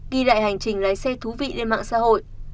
ghi lại hành trình lái xe thú vị lên mạng xã hội